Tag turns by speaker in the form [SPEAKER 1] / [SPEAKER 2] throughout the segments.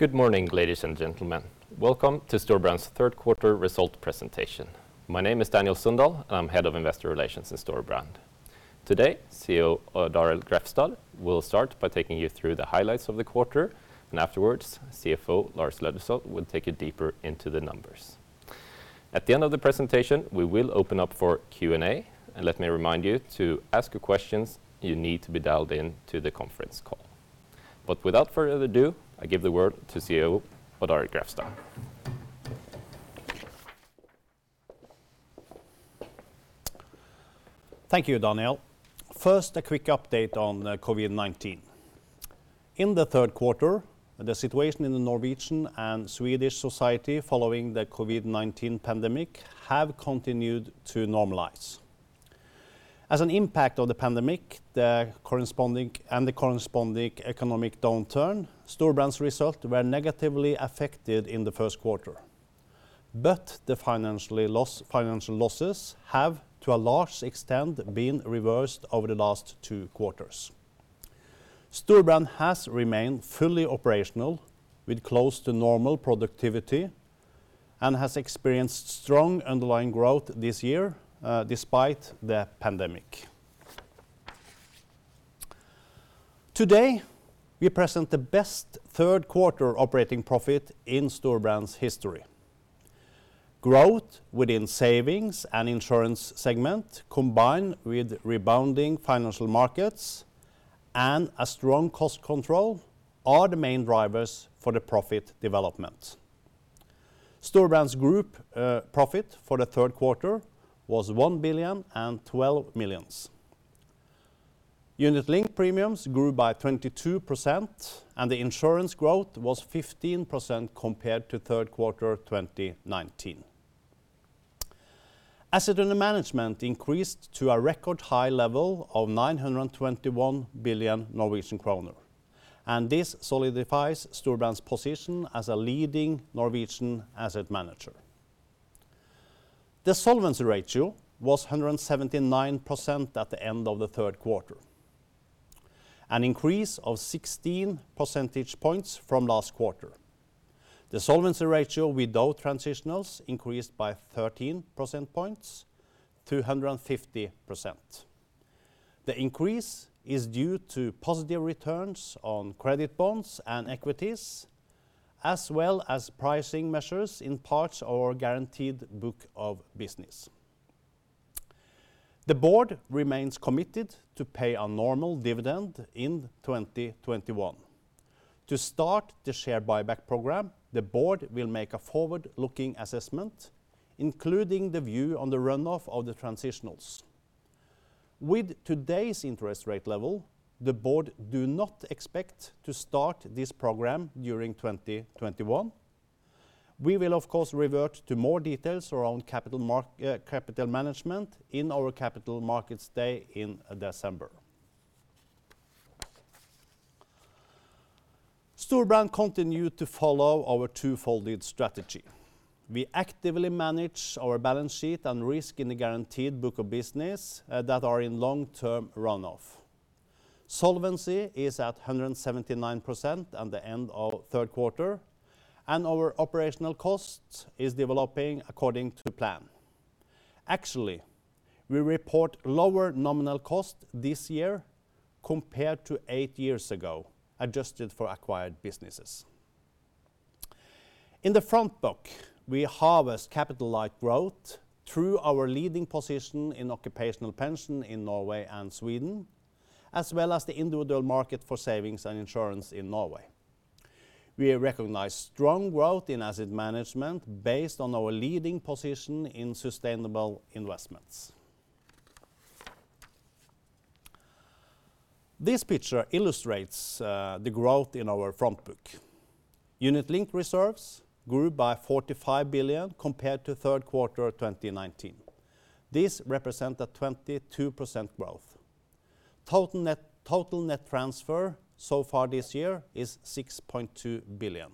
[SPEAKER 1] Good morning, ladies and gentlemen. Welcome to Storebrand's Third Quarter Result Presentation. My name is Daniel Sundahl, and I am Head of Investor Relations in Storebrand. Today, CEO Odd Arild Grefstad will start by taking you through the highlights of the quarter, and afterwards, CFO Lars Løddesøl will take you deeper into the numbers. At the end of the presentation, we will open up for Q&A, and let me remind you to ask your questions, you need to be dialed into the conference call. Without further ado, I give the word to CEO Odd Arild Grefstad.
[SPEAKER 2] Thank you, Daniel. First, a quick update on COVID-19. In the third quarter, the situation in the Norwegian and Swedish society following the COVID-19 pandemic have continued to normalize. As an impact of the pandemic and the corresponding economic downturn, Storebrand's results were negatively affected in the first quarter. The financial losses have, to a large extent, been reversed over the last two quarters. Storebrand has remained fully operational with close to normal productivity and has experienced strong underlying growth this year, despite the pandemic. Today, we present the best third quarter operating profit in Storebrand's history. Growth within savings and insurance segment, combined with rebounding financial markets and a strong cost control, are the main drivers for the profit development. Storebrand's group profit for the third quarter was 1 billion and 12 million. unit-linked premiums grew by 22%. The insurance growth was 15% compared to third quarter 2019. Assets under management increased to a record high level of 921 billion Norwegian kroner. This solidifies Storebrand's position as a leading Norwegian asset manager. The solvency ratio was 179% at the end of the third quarter, an increase of 16 percentage points from last quarter. The solvency ratio without transitionals increased by 13 percentage points to 150%. The increase is due to positive returns on credit bonds and equities, as well as pricing measures in parts of our guaranteed book of business. The board remains committed to pay a normal dividend in 2021. To start the share buyback program, the board will make a forward-looking assessment, including the view on the runoff of the transitionals. With today's interest rate level, the board do not expect to start this program during 2021. We will, of course, revert to more details around capital management in our Capital Markets Day in December. Storebrand continue to follow our two-folded strategy. We actively manage our balance sheet and risk in the guaranteed book of business that are in long-term runoff. Solvency is at 179% at the end of third quarter, and our operational cost is developing according to plan. Actually, we report lower nominal cost this year compared to eight years ago, adjusted for acquired businesses. In the front book, we harvest capital-light growth through our leading position in occupational pension in Norway and Sweden, as well as the individual market for savings and insurance in Norway. We recognize strong growth in asset management based on our leading position in sustainable investments. This picture illustrates the growth in our front book. Unit-linked reserves grew by 45 billion compared to third quarter 2019. This represent a 22% growth. Total net transfer so far this year is 6.2 billion.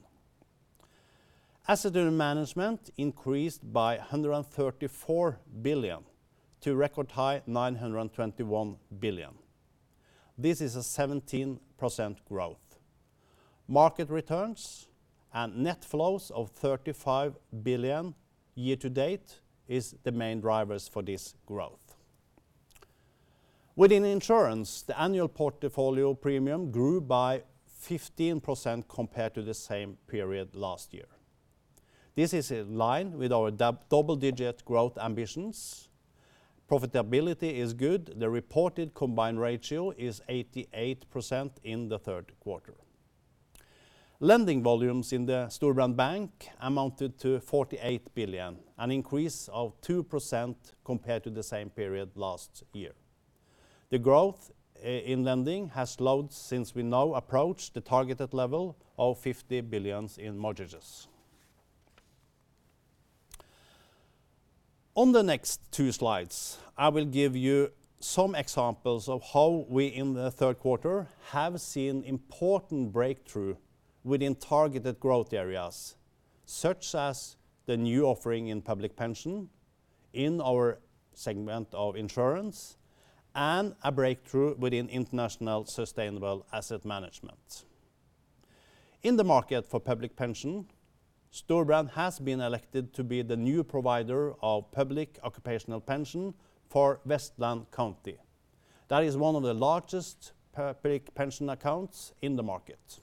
[SPEAKER 2] Assets under management increased by 134 billion to a record high 921 billion. This is a 17% growth. Market returns and net flows of 35 billion year to date is the main drivers for this growth. Within insurance, the annual portfolio premium grew by 15% compared to the same period last year. This is in line with our double-digit growth ambitions. Profitability is good. The reported combined ratio is 88% in the third quarter. Lending volumes in the Storebrand Bank amounted to 48 billion, an increase of 2% compared to the same period last year. The growth in lending has slowed since we now approach the targeted level of 50 billion in mortgages. On the next two slides, I will give you some examples of how we in the third quarter have seen important breakthrough within targeted growth areas, such as the new offering in public pension, our segment of insurance, and a breakthrough within international sustainable asset management. In the market for public pension, Storebrand has been elected to be the new provider of public occupational pension for Vestland County. That is one of the largest public pension accounts in the market.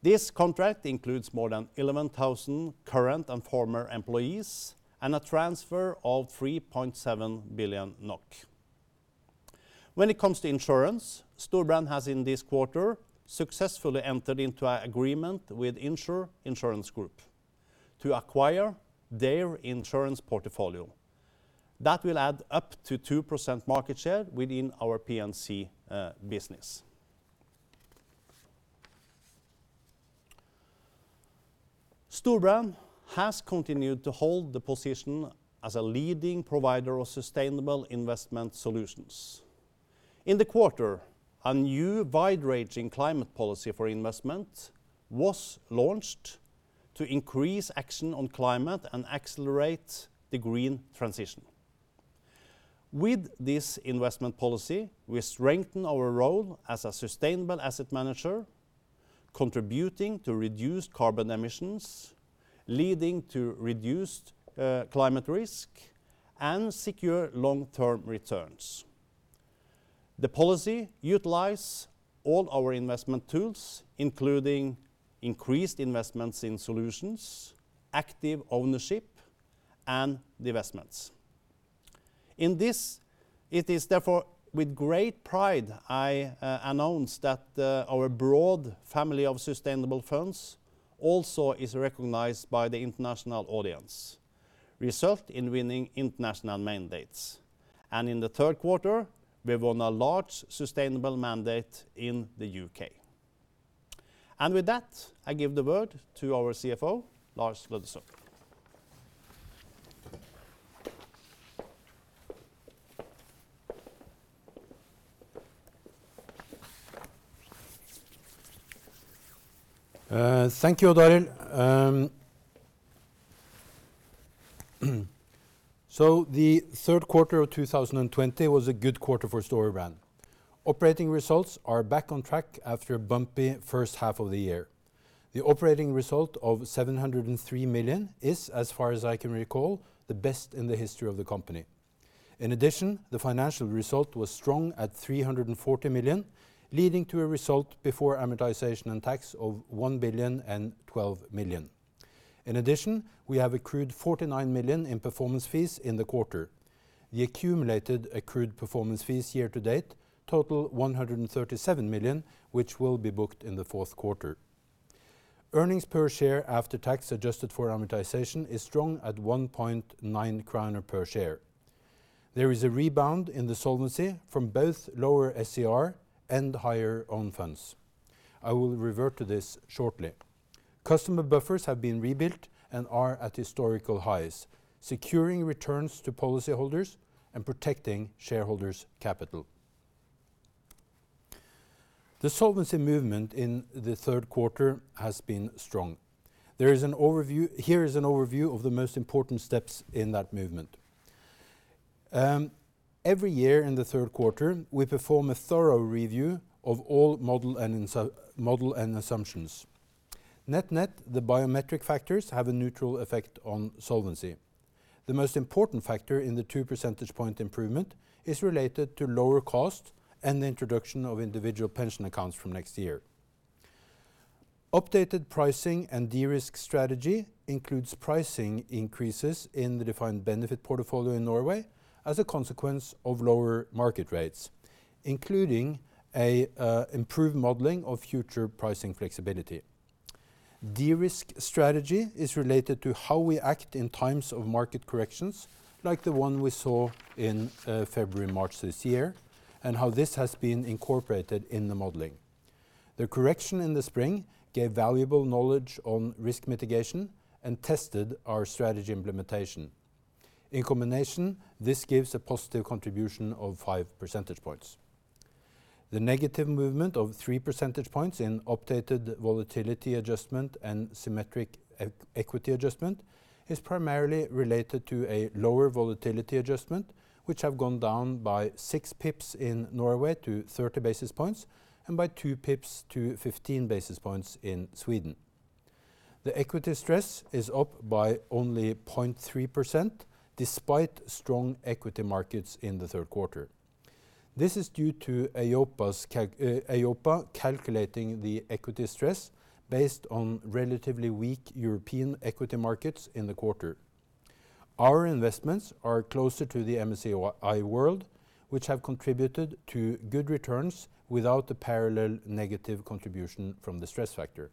[SPEAKER 2] This contract includes more than 11,000 current and former employees and a transfer of 3.7 billion NOK. When it comes to insurance, Storebrand has, in this quarter, successfully entered into an agreement with Insr Insurance Group to acquire their insurance portfolio. That will add up to 2% market share within our P&C business. Storebrand has continued to hold the position as a leading provider of sustainable investment solutions. In the quarter, a new wide-ranging climate policy for investment was launched to increase action on climate and accelerate the green transition. With this investment policy, we strengthen our role as a sustainable asset manager, contributing to reduced carbon emissions, leading to reduced climate risk, and secure long-term returns. The policy utilizes all our investment tools, including increased investments in solutions, active ownership, and divestments. In this, it is therefore with great pride I announce that our broad family of sustainable funds also is recognized by the international audience, result in winning international mandates. In the third quarter, we won a large sustainable mandate in the U.K. With that, I give the word to our CFO, Lars Løddesøl.
[SPEAKER 3] Thank you, Odd Arild. The third quarter of 2020 was a good quarter for Storebrand. Operating results are back on track after a bumpy first half of the year. The operating result of 703 million is, as far as I can recall, the best in the history of the company. In addition, the financial result was strong at 340 million, leading to a result before amortization and tax of 1,012 million. In addition, we have accrued 49 million in performance fees in the quarter. The accumulated accrued performance fees year to date total 137 million, which will be booked in the fourth quarter. Earnings per share after tax adjusted for amortization is strong at 1.9 kroner per share. There is a rebound in the solvency from both lower SCR and higher own funds. I will revert to this shortly. Customer buffers have been rebuilt and are at historical highs, securing returns to policyholders and protecting shareholders' capital. The solvency movement in the third quarter has been strong. Here is an overview of the most important steps in that movement. Every year in the third quarter, we perform a thorough review of all model and assumptions. Net-net, the biometric factors have a neutral effect on solvency. The most important factor in the two percentage point improvement is related to lower cost and the introduction of individual pension accounts from next year. Updated pricing and de-risk strategy includes pricing increases in the defined benefit portfolio in Norway as a consequence of lower market rates, including improved modeling of future pricing flexibility. De-risk strategy is related to how we act in times of market corrections, like the one we saw in February and March this year, and how this has been incorporated in the modeling. The correction in the spring gave valuable knowledge on risk mitigation and tested our strategy implementation. In combination, this gives a positive contribution of five percentage points. The negative movement of three percentage points in updated volatility adjustment and symmetric equity adjustment is primarily related to a lower volatility adjustment, which have gone down by six pips in Norway to 30 basis points and by two pips to 15 basis points in Sweden. The equity stress is up by only 0.3%, despite strong equity markets in the third quarter. This is due to EIOPA calculating the equity stress based on relatively weak European equity markets in the quarter. Our investments are closer to the MSCI World, which have contributed to good returns without the parallel negative contribution from the stress factor.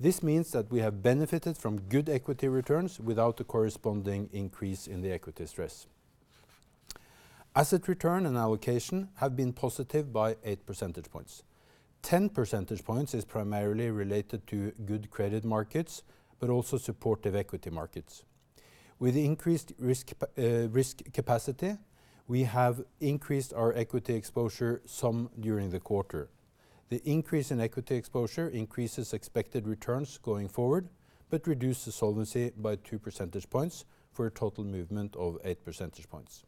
[SPEAKER 3] This means that we have benefited from good equity returns without the corresponding increase in the equity stress. Asset return and allocation have been positive by eight percentage points. 10 percentage points is primarily related to good credit markets, but also supportive equity markets. With increased risk capacity, we have increased our equity exposure some during the quarter. The increase in equity exposure increases expected returns going forward, but reduces solvency by two percentage points for a total movement of eight percentage points.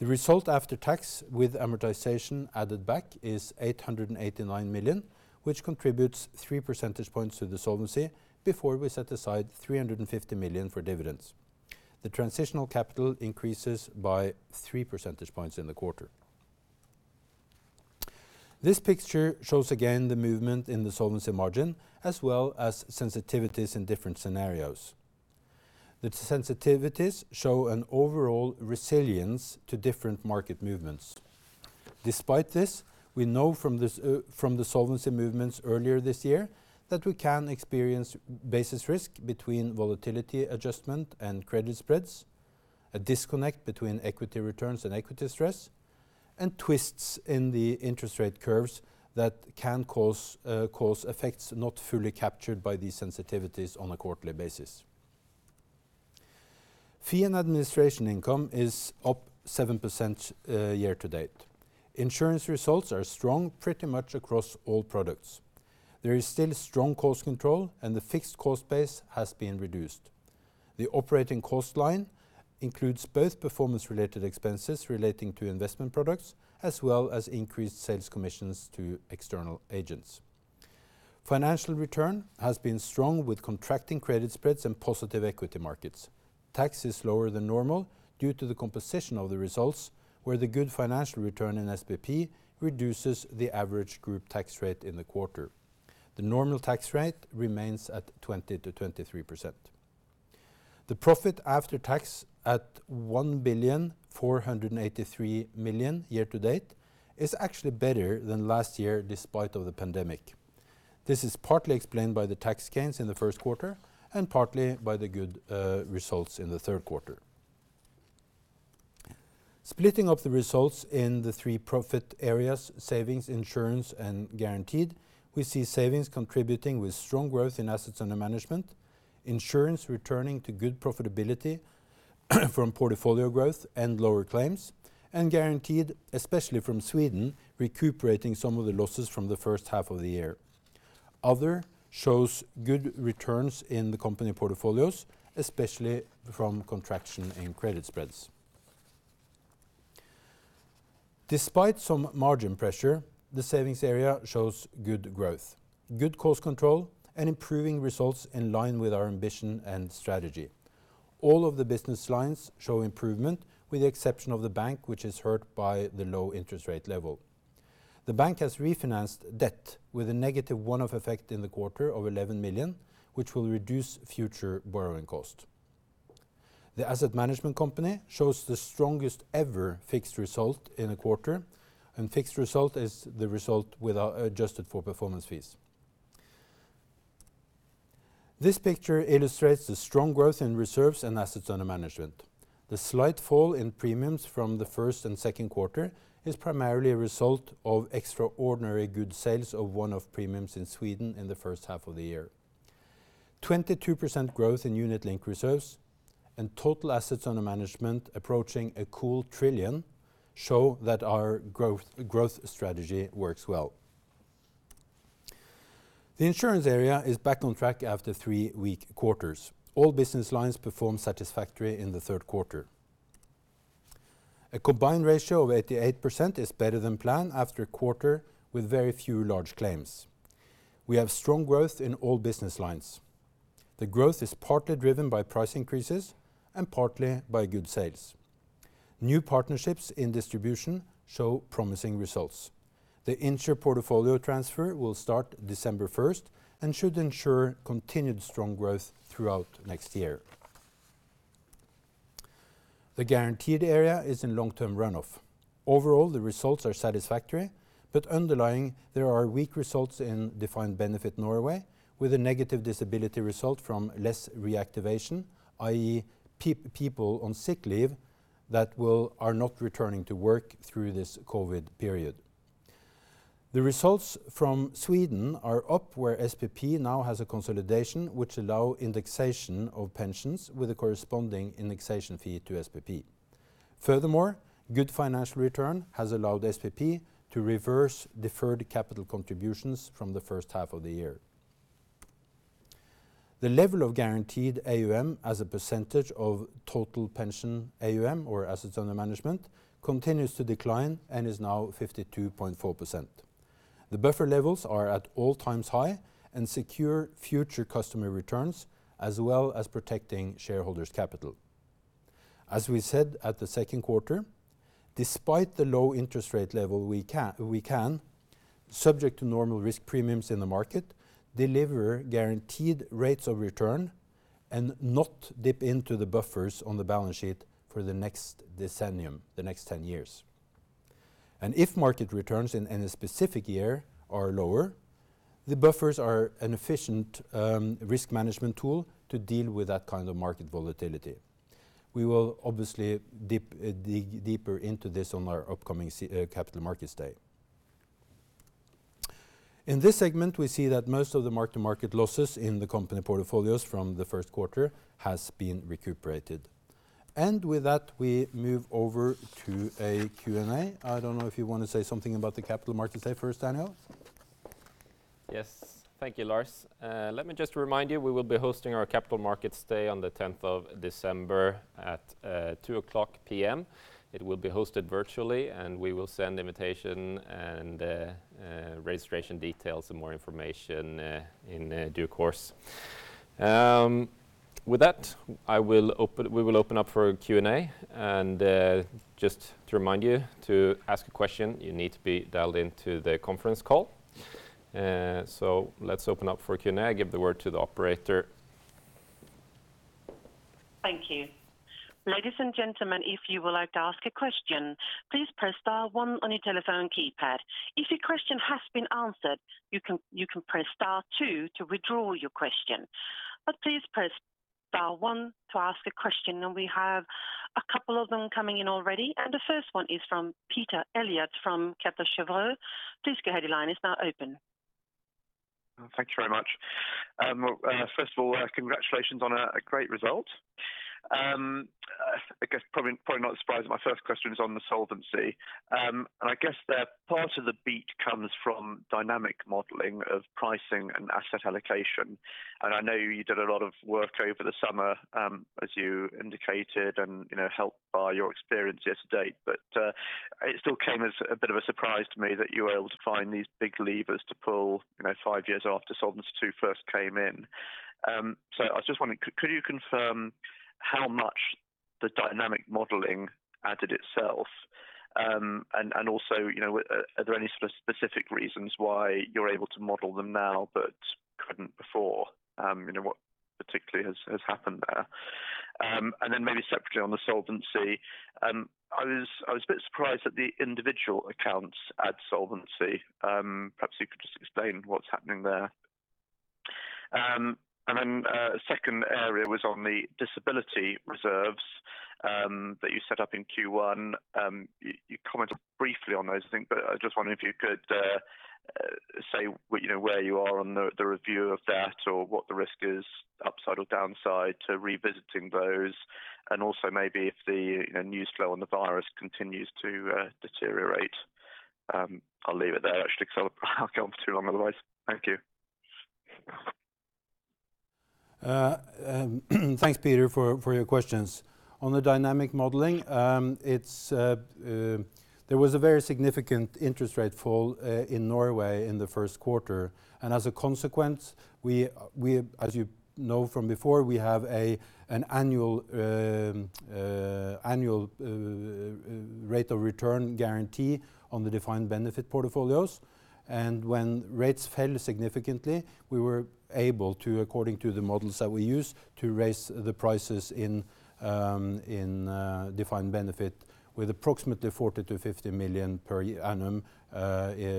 [SPEAKER 3] The result after tax with amortization added back is 889 million, which contributes three percentage points to the solvency before we set aside 350 million for dividends. The transitional capital increases by three percentage points in the quarter. This picture shows again the movement in the solvency margin, as well as sensitivities in different scenarios. The sensitivities show an overall resilience to different market movements. Despite this, we know from the solvency movements earlier this year that we can experience basis risk between volatility adjustment and credit spreads, a disconnect between equity returns and equity stress, and twists in the interest rate curves that can cause effects not fully captured by these sensitivities on a quarterly basis. Fee and administration income is up 7% year to date. Insurance results are strong pretty much across all products. There is still strong cost control, and the fixed cost base has been reduced. The operating cost line includes both performance-related expenses relating to investment products, as well as increased sales commissions to external agents. Financial return has been strong with contracting credit spreads and positive equity markets. Tax is lower than normal due to the composition of the results, where the good financial return in SPP reduces the average group tax rate in the quarter. The normal tax rate remains at 20%-23%. The profit after tax at 1.483 billion year to date is actually better than last year despite of the pandemic. This is partly explained by the tax gains in the first quarter, and partly by the good results in the third quarter. Splitting up the results in the three profit areas, savings, insurance, and guaranteed, we see savings contributing with strong growth in assets under management, insurance returning to good profitability from portfolio growth and lower claims, and guaranteed, especially from Sweden, recuperating some of the losses from the first half of the year. Other shows good returns in the company portfolios, especially from contraction in credit spreads. Despite some margin pressure, the savings area shows good growth, good cost control, and improving results in line with our ambition and strategy. All of the business lines show improvement with the exception of the Bank, which is hurt by the low interest rate level. The Bank has refinanced debt with a negative one-off effect in the quarter of 11 million, which will reduce future borrowing cost. The asset management company shows the strongest ever fixed result in a quarter, and fixed result is the result adjusted for performance fees. This picture illustrates the strong growth in reserves and assets under management. The slight fall in premiums from the first and second quarter is primarily a result of extraordinary good sales of one-off premiums in Sweden in the first half of the year. 22% growth in unit-linked reserves and total assets under management approaching a cool 1 trillion show that our growth strategy works well. The insurance area is back on track after three weak quarters. All business lines performed satisfactory in the third quarter. A combined ratio of 88% is better than planned after a quarter with very few large claims. We have strong growth in all business lines. The growth is partly driven by price increases and partly by good sales. New partnerships in distribution show promising results. The Insr portfolio transfer will start December 1st and should ensure continued strong growth throughout next year. The guaranteed area is in long-term run-off. Overall, the results are satisfactory, but underlying, there are weak results in defined benefit Norway with a negative disability result from less reactivation, i.e., people on sick leave that are not returning to work through this COVID-19 period. The results from Sweden are up where SPP now has a consolidation which allow indexation of pensions with a corresponding indexation fee to SPP. Good financial return has allowed SPP to reverse deferred capital contributions from the first half of the year. The level of guaranteed AUM as a percentage of total pension AUM, or assets under management, continues to decline and is now 52.4%. The buffer levels are at all times high and secure future customer returns, as well as protecting shareholders' capital. As we said at the second quarter, despite the low interest rate level, we can, subject to normal risk premiums in the market, deliver guaranteed rates of return and not dip into the buffers on the balance sheet for the next decennium, the next 10 years. If market returns in any specific year are lower, the buffers are an efficient risk management tool to deal with that kind of market volatility. We will obviously dig deeper into this on our upcoming Capital Markets Day. In this segment, we see that most of the mark-to-market losses in the company portfolios from the first quarter has been recuperated. With that, we move over to a Q&A. I don't know if you want to say something about the Capital Markets Day first, Daniel?
[SPEAKER 1] Yes. Thank you, Lars. Let me just remind you, we will be hosting our Capital Markets Day on the 10th of December at 2:00 P.M. It will be hosted virtually. We will send invitation and registration details and more information in due course. With that, we will open up for Q&A. Just to remind you, to ask a question, you need to be dialed into the conference call. Let's open up for Q&A. I give the word to the operator.
[SPEAKER 4] Thank you. Ladies and gentlemen, if you would like to ask a question, please press star one on your telephone keypad. If your question has been answered, you can press star two to withdraw your question. Please press star one to ask a question, we have a couple of them coming in already. The first one is from Peter Eliot from Kepler Cheuvreux. Please go ahead. Your line is now open.
[SPEAKER 5] Thank you very much. First of all, congratulations on a great result. I guess probably not a surprise that my first question is on the solvency. I guess that part of the beat comes from dynamic modeling of pricing and asset allocation. I know you did a lot of work over the summer, as you indicated, and helped by your experience to date. It still came as a bit of a surprise to me that you were able to find these big levers to pull five years after Solvency II first came in. I was just wondering, could you confirm how much the dynamic modeling added itself? Also, are there any specific reasons why you're able to model them now but couldn't before? What particularly has happened there? Then maybe separately on the Solvency, I was a bit surprised that the individual accounts add Solvency. Perhaps you could just explain what's happening there. Then a second area was on the disability reserves that you set up in Q1. You commented briefly on those, I think, but I just wondered if you could say where you are on the review of that or what the risk is, upside or downside, to revisiting those, and also maybe if the news flow on the virus continues to deteriorate. I'll leave it there, actually, because I'll go on for too long otherwise. Thank you.
[SPEAKER 3] Thanks, Peter, for your questions. On the dynamic modeling, there was a very significant interest rate fall in Norway in the first quarter. As a consequence, as you know from before, we have an annual rate of return guarantee on the defined benefit portfolios. When rates fell significantly, we were able to, according to the models that we use, to raise the prices in defined benefit with approximately 40 million-50 million per annum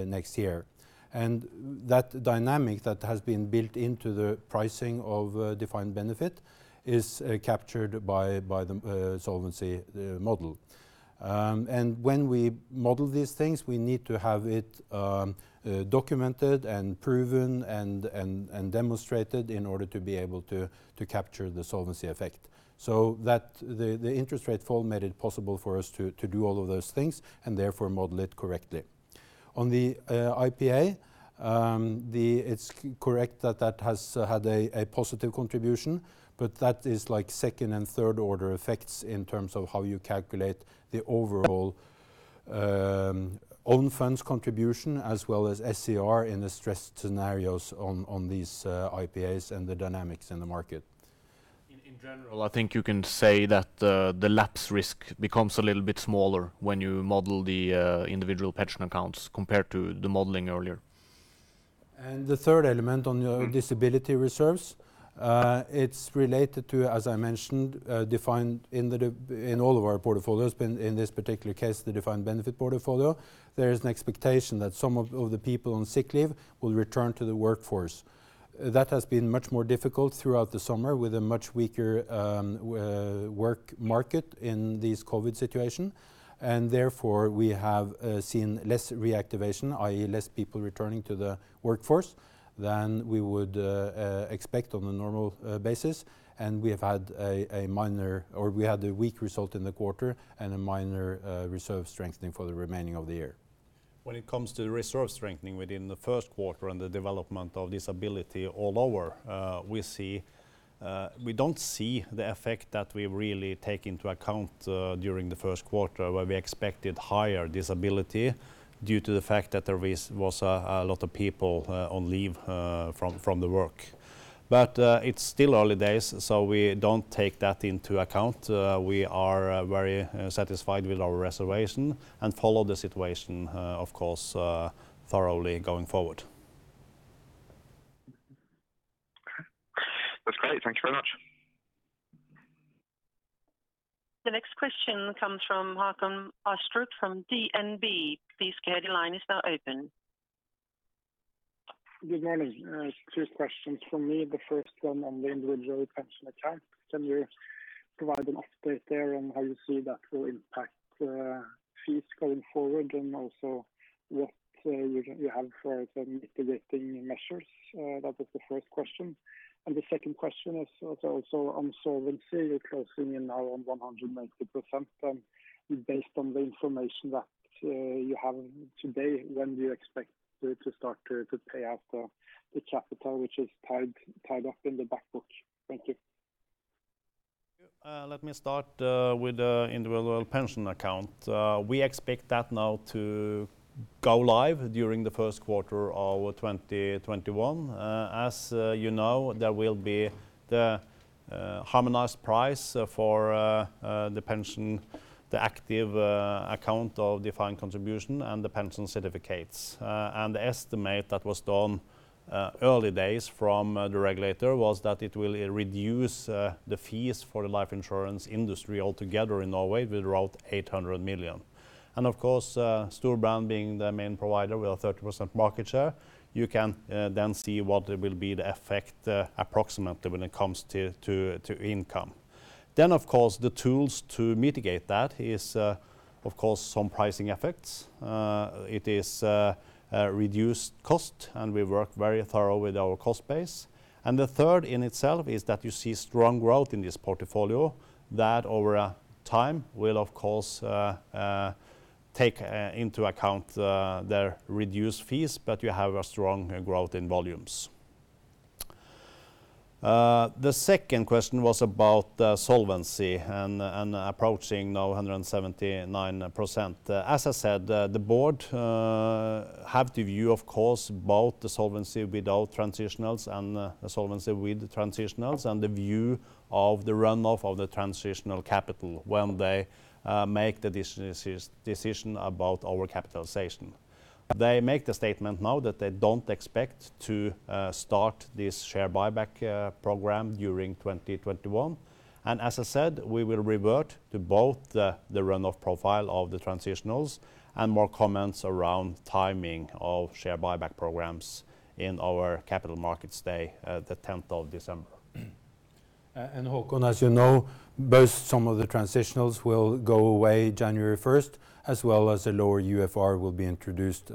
[SPEAKER 3] next year. That dynamic that has been built into the pricing of defined benefit is captured by the solvency model. When we model these things, we need to have it documented and proven and demonstrated in order to be able to capture the solvency effect. The interest rate fall made it possible for us to do all of those things and therefore model it correctly. On the IPA, it's correct that that has had a positive contribution, but that is second and third order effects in terms of how you calculate the overall own funds contribution, as well as SCR in the stress scenarios on these IPAs and the dynamics in the market.
[SPEAKER 2] In general, I think you can say that the lapse risk becomes a little bit smaller when you model the individual pension accounts compared to the modeling earlier.
[SPEAKER 3] The third element on your disability reserves, it is related to, as I mentioned, defined in all of our portfolios, but in this particular case, the defined benefit portfolio. There is an expectation that some of the people on sick leave will return to the workforce. That has been much more difficult throughout the summer with a much weaker work market in this COVID situation. Therefore, we have seen less reactivation, i.e., less people returning to the workforce than we would expect on a normal basis. We had a weak result in the quarter and a minor reserve strengthening for the remaining of the year.
[SPEAKER 2] When it comes to the reserve strengthening within the first quarter and the development of disability all over, we don't see the effect that we really take into account during the first quarter, where we expected higher disability due to the fact that there was a lot of people on leave from the work. It's still early days, so we don't take that into account. We are very satisfied with our reservation and follow the situation, of course, thoroughly going forward.
[SPEAKER 5] Okay. That's great. Thank you very much.
[SPEAKER 4] The next question comes from Håkon Astrup from DNB. Please go ahead. Your line is now open.
[SPEAKER 6] Good morning. Two questions from me. The first one on the individual pension account. Can you provide an update there on how you see that will impact fees going forward and also what you have for mitigating measures. That was the first question. The second question is also on solvency. You're closing in now on 190%. Based on the information that you have today, when do you expect to start to pay off the capital which is tied up in the back books? Thank you.
[SPEAKER 2] Thank you. Let me start with the individual pension account. We expect that now to go live during the first quarter of 2021. As you know, there will be the harmonized price for the pension, the active account of defined contribution, and the pension certificates. The estimate that was done early days from the regulator was that it will reduce the fees for the life insurance industry altogether in Norway with around 800 million. Of course, Storebrand being the main provider with a 30% market share, you can then see what will be the effect approximately when it comes to income. Of course, the tools to mitigate that is, of course, some pricing effects. It is reduced cost, and we work very thorough with our cost base. The third in itself is that you see strong growth in this portfolio that over time will, of course, take into account the reduced fees, but you have a strong growth in volumes. The second question was about solvency and approaching now 179%. As I said, the board have the view, of course, both the solvency without transitionals and the solvency with transitionals and the view of the runoff of the transitional capital when they make the decision about our capitalization. They make the statement now that they don't expect to start this share buyback program during 2021. As I said, we will revert to both the runoff profile of the transitionals and more comments around timing of share buyback programs in our Capital Markets Day at the 10th of December.
[SPEAKER 3] Håkon, as you know, both some of the transitionals will go away January 1st, as well as the lower UFR will be introduced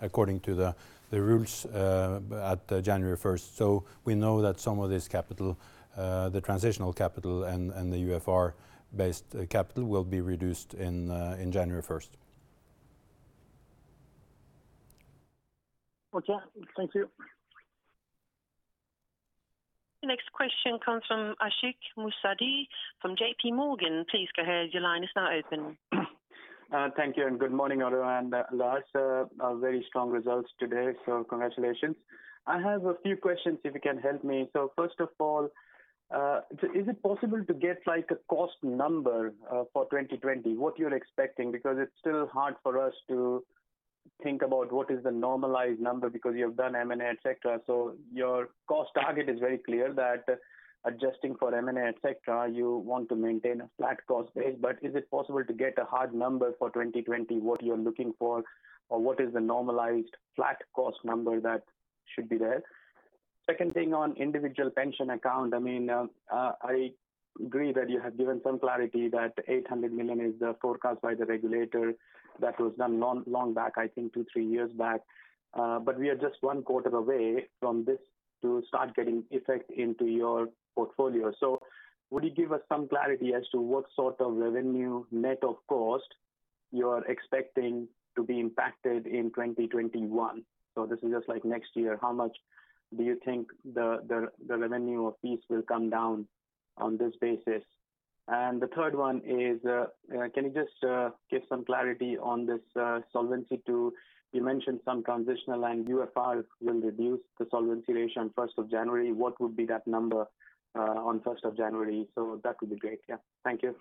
[SPEAKER 3] according to the rules at January 1st. We know that some of this capital, the transitional capital and the UFR based capital will be reduced in January 1st.
[SPEAKER 6] Okay. Thank you.
[SPEAKER 4] The next question comes from Ashik Musaddi from JPMorgan. Please go ahead. Your line is now open.
[SPEAKER 7] Thank you. Good morning, Odd and Lars. Very strong results today, congratulations. I have a few questions if you can help me. First of all, is it possible to get a cost number for 2020, what you're expecting? Because it's still hard for us to think about what is the normalized number because you have done M&A, et cetera. Your cost target is very clear that adjusting for M&A, et cetera, you want to maintain a flat cost base. Is it possible to get a hard number for 2020, what you are looking for, or what is the normalized flat cost number that should be there? Second thing on individual pension account, I agree that you have given some clarity that 800 million is the forecast by the regulator that was done long back, I think two, three years back. We are just one quarter away from this to start getting effect into your portfolio. Would you give us some clarity as to what sort of revenue net of cost you are expecting to be impacted in 2021? This is just like next year. How much do you think the revenue of fees will come down on this basis? The third one is, can you just give some clarity on this Solvency II? You mentioned some transitional and UFR will reduce the solvency ratio on 1st of January. What would be that number on 1st of January? That would be great. Thank you.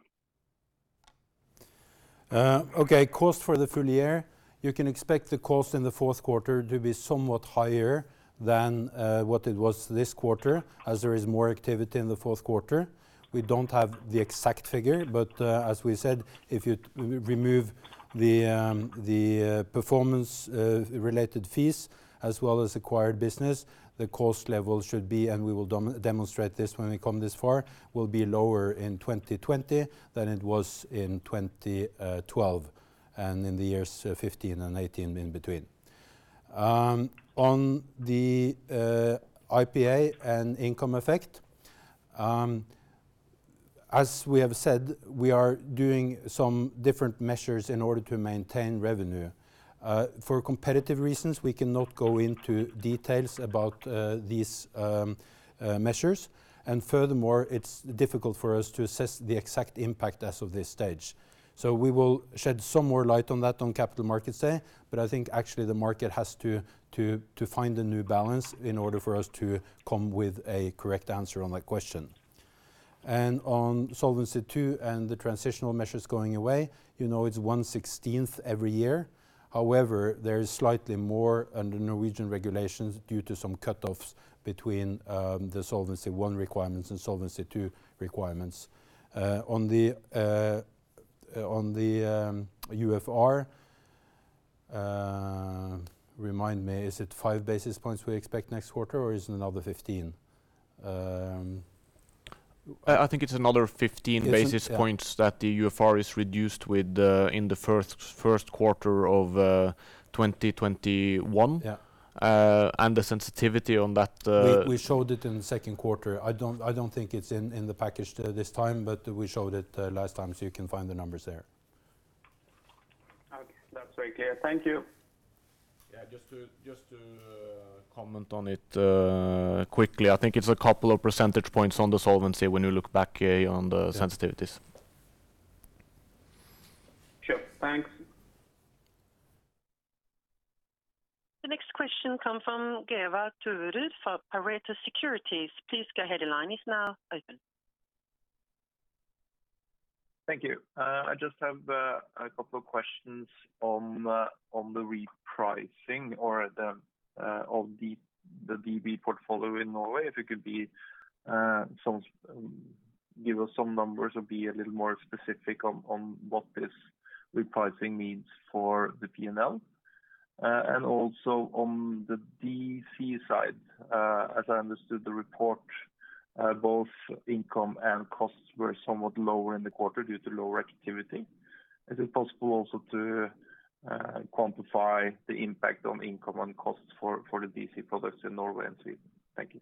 [SPEAKER 3] Okay. Cost for the full year, you can expect the cost in the fourth quarter to be somewhat higher than what it was this quarter, as there is more activity in the fourth quarter. As we said, if you remove the performance related fees as well as acquired business, the cost level should be, and we will demonstrate this when we come this far, will be lower in 2020 than it was in 2012 and in the years 2015 and 2018 in between. On the IPA and income effect, as we have said, we are doing some different measures in order to maintain revenue. For competitive reasons, we cannot go into details about these measures. Furthermore, it's difficult for us to assess the exact impact as of this stage. We will shed some more light on that on Capital Markets Day, but I think actually the market has to find a new balance in order for us to come with a correct answer on that question. On Solvency II and the transitional measures going away, you know it's one 16th every year. However, there is slightly more under Norwegian regulations due to some cutoffs between the Solvency I requirements and Solvency II requirements. On the UFR. Remind me, is it five basis points we expect next quarter, or is it another 15?
[SPEAKER 2] I think it's another 15 basis points that the UFR is reduced with in the first quarter of 2021
[SPEAKER 3] Yeah,
[SPEAKER 2] The sensitivity on that.
[SPEAKER 3] We showed it in the second quarter. I don't think it's in the package this time, but we showed it last time, so you can find the numbers there.
[SPEAKER 7] Okay. That's very clear. Thank you.
[SPEAKER 2] Yeah, just to comment on it quickly. I think it's a couple of percentage points on the solvency when you look back on the sensitivities.
[SPEAKER 7] Sure. Thanks.
[SPEAKER 4] The next question come from Vegard Toverud for Pareto Securities. Please go ahead, your line is now open.
[SPEAKER 8] Thank you. I just have a couple of questions on the repricing of the DB portfolio in Norway, if you could give us some numbers or be a little more specific on what this repricing means for the P&L. Also on the DC side, as I understood the report, both income and costs were somewhat lower in the quarter due to lower activity. Is it possible also to quantify the impact on income and costs for the DC products in Norway and Sweden? Thank you.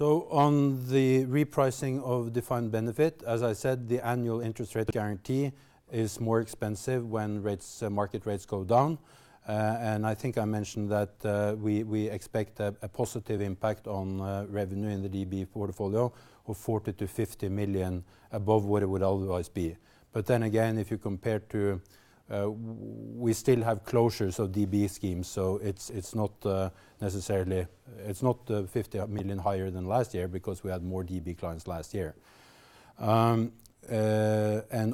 [SPEAKER 3] On the repricing of defined benefit, as I said, the annual interest rate guarantee is more expensive when market rates go down. I think I mentioned that we expect a positive impact on revenue in the DB portfolio of 40 million-50 million above what it would otherwise be. If you compare to, we still have closures of DB schemes, so it's not 50 million higher than last year because we had more DB clients last year. Also in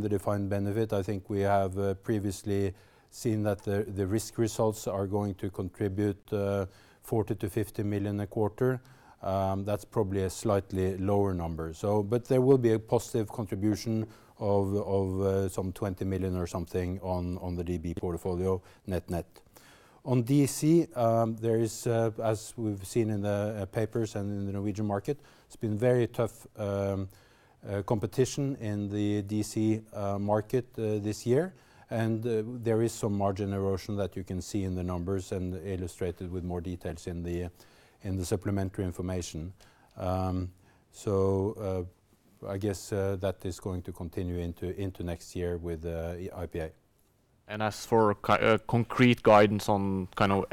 [SPEAKER 3] the defined benefit, I think we have previously seen that the risk results are going to contribute 40 million-50 million a quarter. That's probably a slightly lower number. There will be a positive contribution of some 20 million or something on the DB portfolio net. On DC, as we've seen in the papers and in the Norwegian market, it's been very tough competition in the DC market this year. There is some margin erosion that you can see in the numbers and illustrated with more details in the supplementary information. I guess that is going to continue into next year with the IPA.
[SPEAKER 2] As for concrete guidance on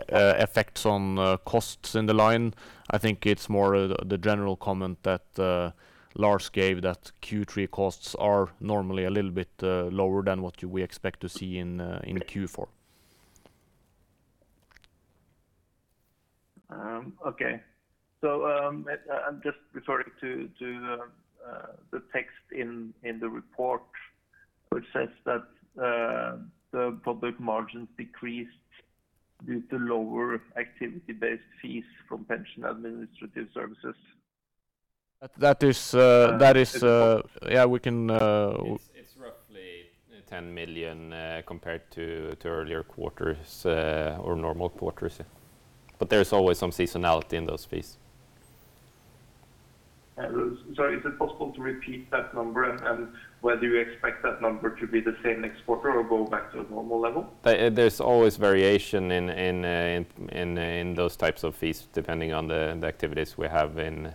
[SPEAKER 2] effects on costs in the line, I think it's more the general comment that Lars gave that Q3 costs are normally a little bit lower than what we expect to see in Q4.
[SPEAKER 8] Okay. I'm just referring to the text in the report, which says that the profit margins decreased due to lower activity-based fees from pension administrative services.
[SPEAKER 2] That is, yeah, we can, it's roughly 10 million compared to earlier quarters or normal quarters. There's always some seasonality in those fees.
[SPEAKER 8] Sorry, is it possible to repeat that number and whether you expect that number to be the same next quarter or go back to a normal level?
[SPEAKER 2] There's always variation in those types of fees depending on the activities we have in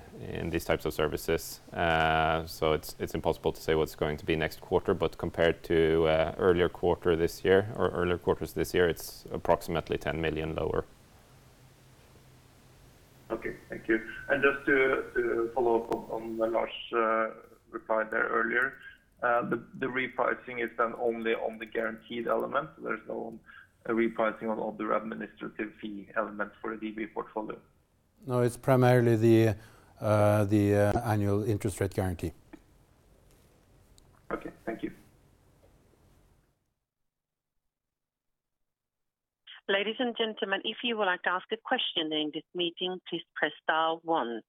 [SPEAKER 2] these types of services. It's impossible to say what's going to be next quarter, but compared to earlier quarters this year, it's approximately 10 million lower.
[SPEAKER 8] Okay, thank you. Just to follow up on Lars' reply there earlier, the repricing is then only on the guaranteed element. There's no repricing on the administrative fee element for the DB portfolio.
[SPEAKER 3] No, it's primarily the annual interest rate guarantee.
[SPEAKER 8] Okay. Thank you.
[SPEAKER 4] Ladies and gentlemen, if you would like to ask a question in this meeting, please press star one.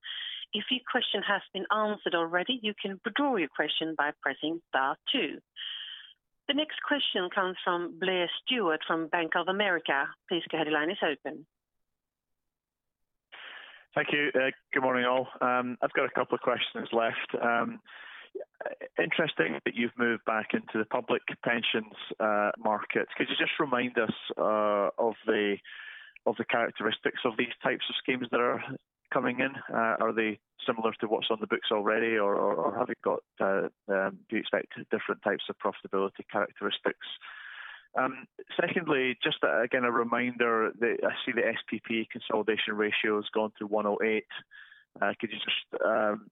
[SPEAKER 4] If your question has been answered already, you can withdraw your question by pressing star two. The next question comes from Blair Stewart from Bank of America. Please go ahead, your line is open.
[SPEAKER 9] Thank you. Good morning, all. I've got a couple of questions left. Interesting that you've moved back into the public pensions market. Could you just remind us of the characteristics of these types of schemes that are coming in? Are they similar to what's on the books already, or do you expect different types of profitability characteristics? Secondly, just again, a reminder that I see the SPP consolidation ratio has gone to 108%. Could you just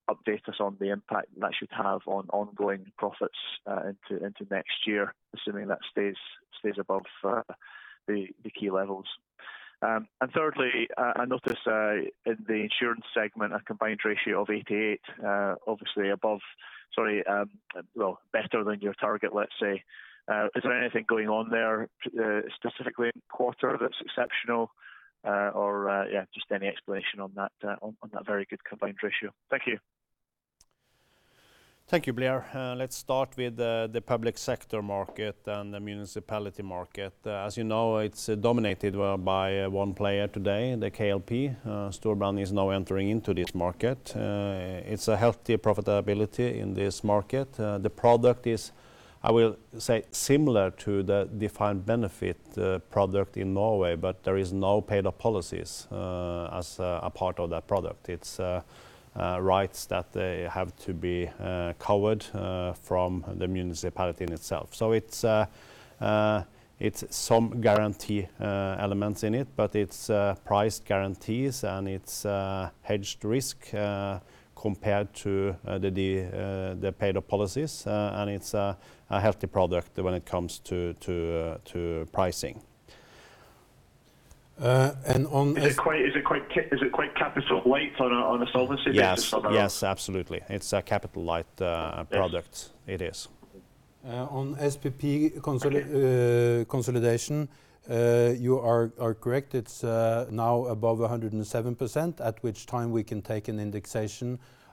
[SPEAKER 9] update us on the impact that should have on ongoing profits into next year, assuming that stays above the key levels? Thirdly, I notice in the insurance segment a combined ratio of 88, obviously above, sorry, well, better than your target, let's say. Is there anything going on there specifically in quarter that's exceptional or just any explanation on that very good combined ratio? Thank you.
[SPEAKER 2] Thank you, Blair. Let's start with the public sector market and the municipality market. As you know, it's dominated by one player today, the KLP. Storebrand is now entering into this market. It's a healthy profitability in this market. The product is, I will say, similar to the defined benefit product in Norway, there is no paid-up policies as a part of that product. It's rights that have to be covered from the municipality in itself. It's some guarantee elements in it, but it's price guarantees, and it's hedged risk compared to the paid-up policies, and it's a healthy product when it comes to pricing.
[SPEAKER 9] Is it quite capital light on a solvency basis, Storebrand?
[SPEAKER 2] Yes, absolutely. It's a capital light product. It is.
[SPEAKER 3] On SPP consolidation, you are correct. It is now above 107%, at which time we can take an indexation,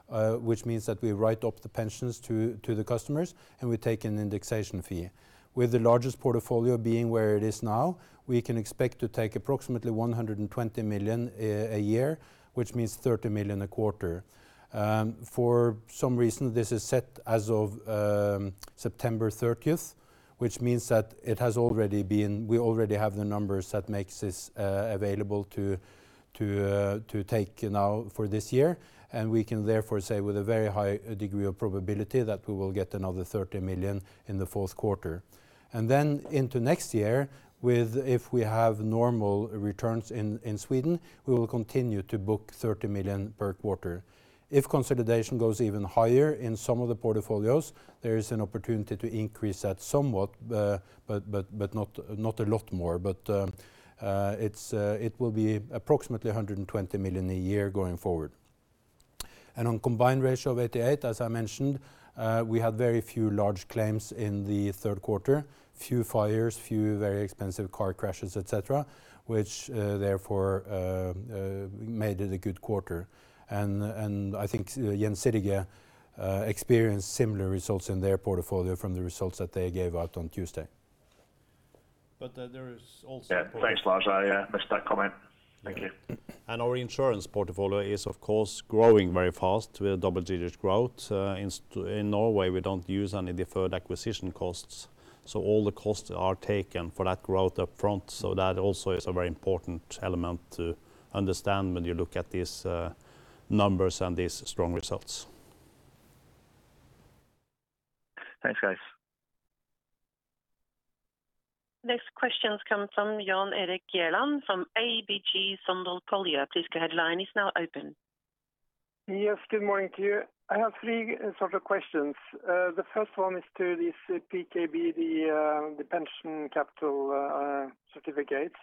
[SPEAKER 3] which means that we write up the pensions to the customers, and we take an indexation fee. With the largest portfolio being where it is now, we can expect to take approximately 120 million a year, which means 30 million a quarter. For some reason, this is set as of September 30th, which means that we already have the numbers that makes this available to take now for this year, and we can therefore say with a very high degree of probability that we will get another 30 million in the fourth quarter. Then into next year, if we have normal returns in Sweden, we will continue to book 30 million per quarter. If consolidation goes even higher in some of the portfolios, there is an opportunity to increase that somewhat, but not a lot more. It will be approximately 120 million a year going forward. On combined ratio of 88%, as I mentioned, we had very few large claims in the third quarter, few fires, few very expensive car crashes, et cetera, which therefore made it a good quarter. I think Gjensidige experienced similar results in their portfolio from the results that they gave out on Tuesday.
[SPEAKER 2] I missed that comment. Thank you. Our insurance portfolio is, of course, growing very fast with double-digit growth. In Norway, we don't use any deferred acquisition costs, so all the costs are taken for that growth up front. That also is a very important element to understand when you look at these numbers and these strong results.
[SPEAKER 9] Thanks, guys.
[SPEAKER 4] Next questions come from Jan Erik Gjerland from ABG Sundal Collier. Please go ahead, line is now open.
[SPEAKER 10] Yes, good morning to you. I have three questions. The first one is to this PKB, the pension capital certificates.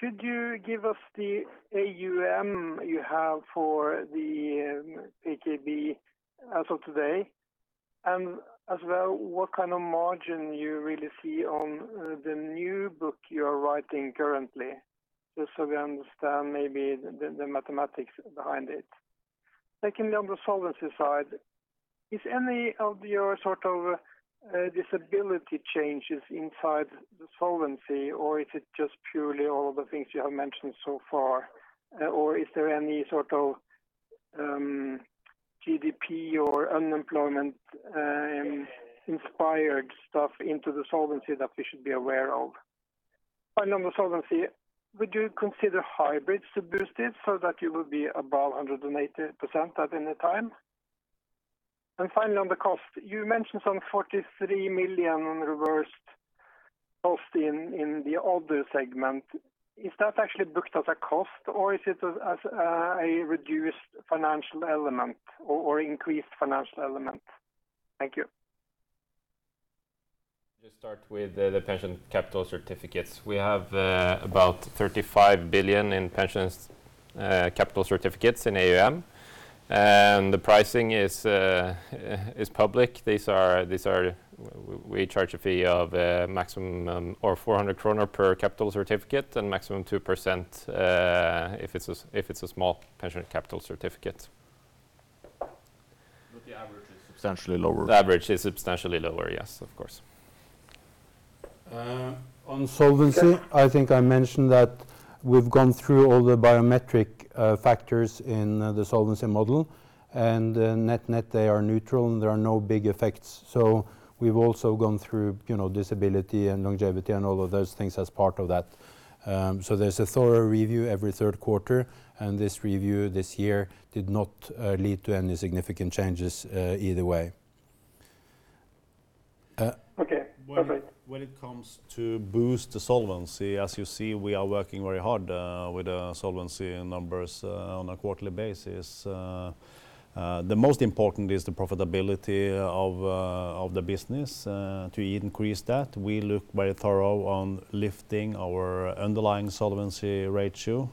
[SPEAKER 10] Could you give us the AUM you have for the PKB as of today, and as well, what kind of margin you really see on the new book you are writing currently, just so we understand maybe the mathematics behind it. Secondly, on the solvency side, is any of your disability changes inside the solvency, or is it just purely all of the things you have mentioned so far? Is there any sort of GDP or unemployment-inspired stuff into the solvency that we should be aware of? On the solvency, would you consider hybrids to boost it so that you will be above 180% at any time? Finally, on the cost, you mentioned some 43 million reversed cost in the other segment. Is that actually booked as a cost, or is it as a reduced financial element, or increased financial element? Thank you.
[SPEAKER 3] Just start with the pension capital certificates. We have about 35 billion in pension capital certificates in AUM. The pricing is public. We charge a fee of maximum or 400 kroner per capital certificate and maximum 2% if it's a small pension capital certificate. The average is substantially lower.
[SPEAKER 2] The average is substantially lower, yes, of course.
[SPEAKER 3] On solvency, I think I mentioned that we've gone through all the biometric factors in the Solvency model, and net, they are neutral, and there are no big effects. We've also gone through disability and longevity and all of those things as part of that. There's a thorough review every third quarter, and this review this year did not lead to any significant changes either way. When it comes to boost the solvency, as you see, we are working very hard with the solvency numbers on a quarterly basis. The most important is the profitability of the business. To increase that, we look very thorough on lifting our underlying solvency ratio.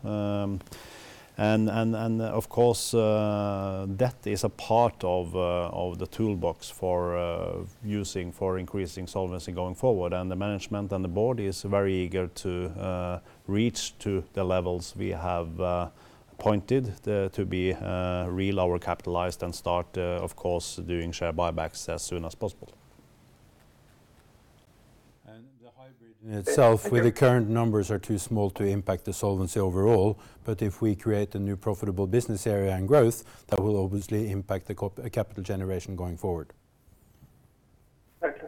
[SPEAKER 3] Of course, debt is a part of the toolbox for using, for increasing solvency going forward. The management and the board is very eager to reach to the levels we have pointed to be real over-capitalized and start, of course, doing share buybacks as soon as possible.
[SPEAKER 2] In itself, where the current numbers are too small to impact the solvency overall. If we create a new profitable business area and growth, that will obviously impact the capital generation going forward.
[SPEAKER 10] Okay.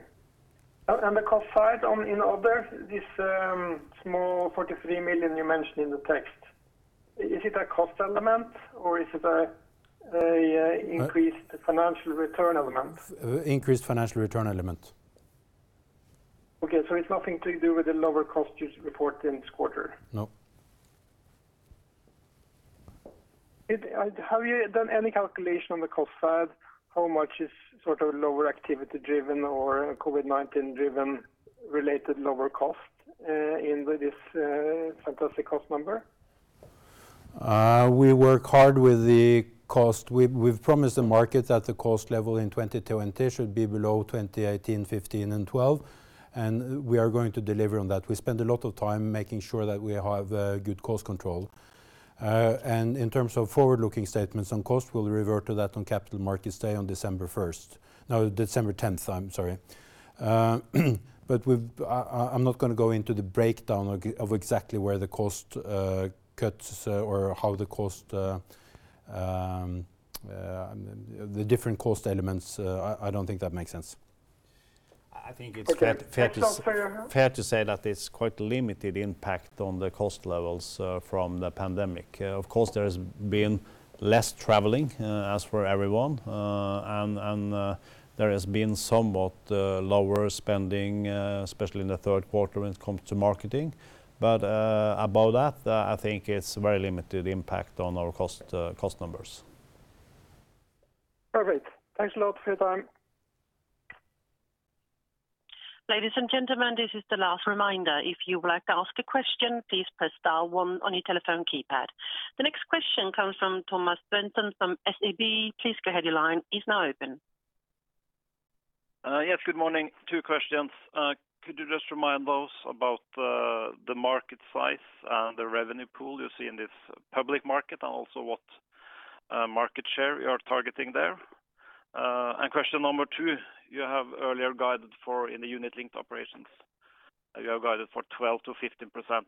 [SPEAKER 10] The cost side in other, this small 43 million you mentioned in the text, is it a cost element or is it a?
[SPEAKER 3] What?
[SPEAKER 10] financial return element?
[SPEAKER 3] Increased financial return element.
[SPEAKER 10] Okay. It's nothing to do with the lower cost you report in this quarter?
[SPEAKER 3] No.
[SPEAKER 10] Have you done any calculation on the cost side? How much is sort of lower activity driven or COVID-19 driven related lower cost, in this fantastic cost number?
[SPEAKER 3] We work hard with the cost. We've promised the market that the cost level in 2020 should be below 2018, 2015, and 2012. We are going to deliver on that. We spend a lot of time making sure that we have good cost control. In terms of forward-looking statements on cost, we'll revert to that on Capital Markets Day on December 1st. No, December 10th, I'm sorry. I'm not going to go into the breakdown of exactly where the cost cuts or how the different cost elements. I don't think that makes sense.
[SPEAKER 2] Okay. That sounds fair. Fair to say that it's quite limited impact on the cost levels from the pandemic. Of course, there has been less traveling, as for everyone. There has been somewhat lower spending, especially in the third quarter when it comes to marketing. Above that, I think it's very limited impact on our cost numbers.
[SPEAKER 10] Perfect. Thanks a lot for your time.
[SPEAKER 4] Ladies and gentlemen, this is the last reminder. If you would like to ask a question, please press star one on your telephone keypad. The next question comes from Thomas Svendsen from SEB. Please go ahead, your line is now open.
[SPEAKER 11] Yes, good morning. Two questions. Could you just remind us about the market size and the revenue pool you see in this public market, and also what market share you are targeting there? Question number two, you have earlier guided for in the unit-linked operations. You have guided for 12%-15%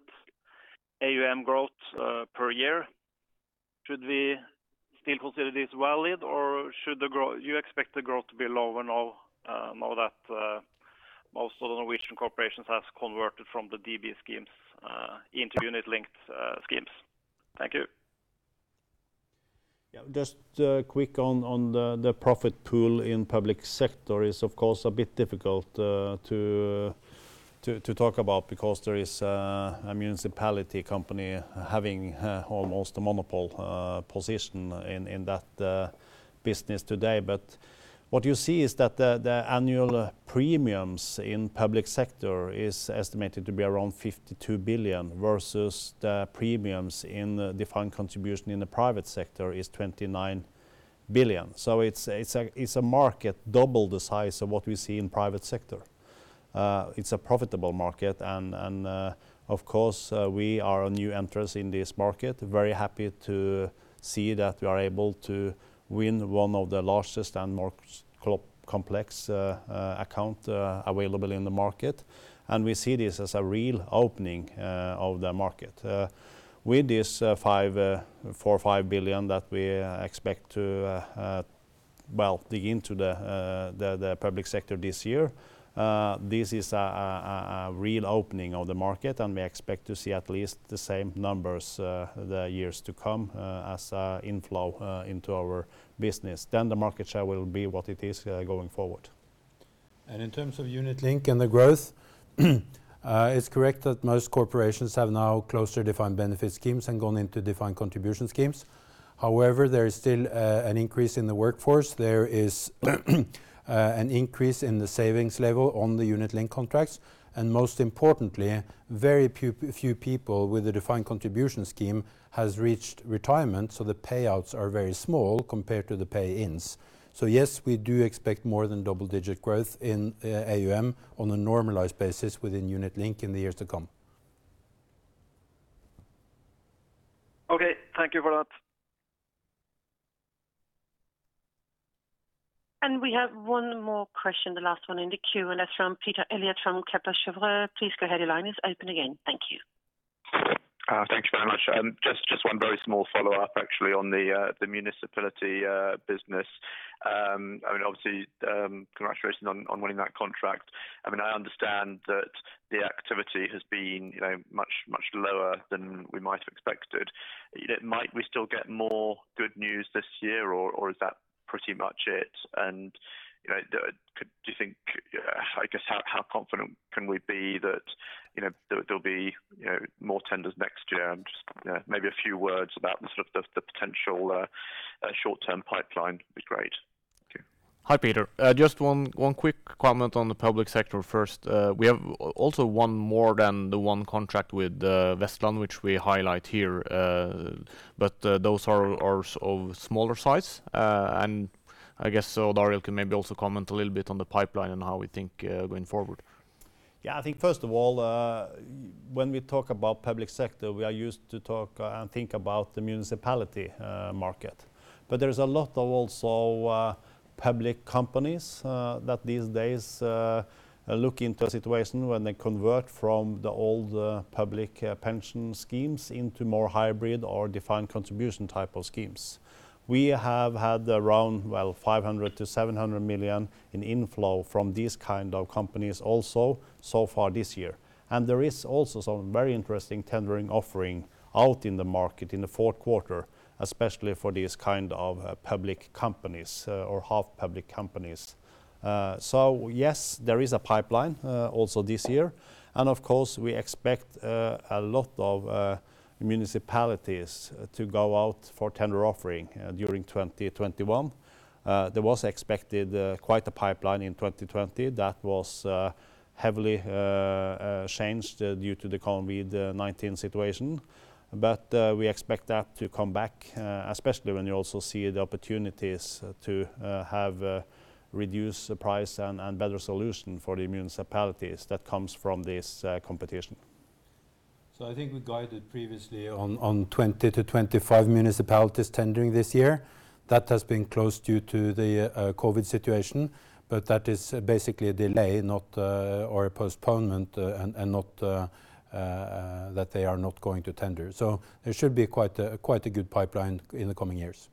[SPEAKER 11] AUM growth per year. Should we still consider this valid, or you expect the growth to be lower now that most of the Norwegian corporations have converted from the DB schemes into unit-linked schemes? Thank you.
[SPEAKER 2] Yeah. Just quick on the profit pool in public sector is, of course, a bit difficult to talk about because there is a municipality company having almost a monopoly position in that business today. What you see is that the annual premiums in public sector is estimated to be around 52 billion versus the premiums in defined contribution in the private sector is 29 billion. It's a market double the size of what we see in private sector. It's a profitable market and, of course, we are a new entrance in this market. Very happy to see that we are able to win one of the largest and more complex account available in the market. We see this as a real opening of the market. With this 4 billion-5 billion that we expect to dig into the public sector this year, this is a real opening of the market, and we expect to see at least the same numbers the years to come as inflow into our business. The market share will be what it is going forward.
[SPEAKER 3] In terms of unit-linked and the growth, it's correct that most corporations have now closed their defined benefit schemes and gone into defined contribution schemes. However, there is still an increase in the workforce. There is an increase in the savings level on the unit-linked contracts, and most importantly, very few people with a defined contribution scheme has reached retirement, so the payouts are very small compared to the pay-ins. Yes, we do expect more than double-digit growth in AUM on a normalized basis within unit-linked in the years to come.
[SPEAKER 11] Okay. Thank you for that.
[SPEAKER 4] We have one more question, the last one in the queue, and that's from Peter Eliot from Kepler Cheuvreux. Please go ahead, your line is open again. Thank you.
[SPEAKER 5] Thank you very much. Just one very small follow-up actually on the municipality business. Obviously, congratulations on winning that contract. I understand that the activity has been much, much lower than we might have expected. Might we still get more good news this year, or is that pretty much it? Do you think, how confident can we be that there'll be more tenders next year? Just maybe a few words about the sort of the potential short-term pipeline would be great. Thank you.
[SPEAKER 2] Hi, Peter. Just one quick comment on the public sector first. We have also won more than the one contract with Vestland, which we highlight here. Those are of smaller size. I guess Lars can maybe also comment a little bit on the pipeline and how we think going forward.
[SPEAKER 3] Yeah, I think first of all. When we talk about public sector, we are used to talk and think about the municipality market. There's a lot of also public companies that these days look into a situation when they convert from the old public pension schemes into more hybrid or defined contribution type of schemes. We have had around 500 million-700 million in inflow from these kind of companies also, so far this year. There is also some very interesting tendering offering out in the market in the fourth quarter, especially for these kind of public companies or half public companies. Yes, there is a pipeline also this year. Of course, we expect a lot of municipalities to go out for tender offering during 2021. There was expected quite a pipeline in 2020 that was heavily changed due to the COVID-19 situation. We expect that to come back, especially when you also see the opportunities to have reduced price and better solution for the municipalities that comes from this competition.
[SPEAKER 2] I think we guided previously on 20 to 25 municipalities tendering this year. That has been closed due to the COVID situation, but that is basically a delay or a postponement and not that they are not going to tender. There should be quite a good pipeline in the coming years.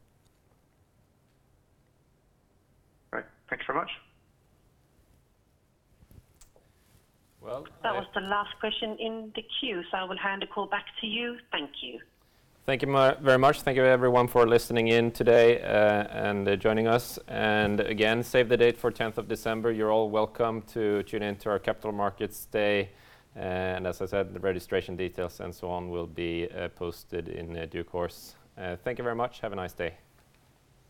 [SPEAKER 5] Great. Thank you very much.
[SPEAKER 1] Well-
[SPEAKER 4] That was the last question in the queue, so I will hand the call back to you. Thank you.
[SPEAKER 1] Thank you very much. Thank you everyone for listening in today and joining us. Again, save the date for 10th of December. You're all welcome to tune in to our Capital Markets Day. As I said, the registration details and so on will be posted in due course. Thank you very much. Have a nice day.